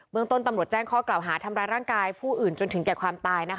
เมืองต้นตำรวจแจ้งข้อกล่าวหาทำร้ายร่างกายผู้อื่นจนถึงแก่ความตายนะคะ